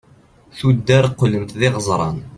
tuddar qlent d iɣeẓran